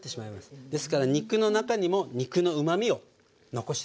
ですから肉の中にも肉のうまみを残しておきます。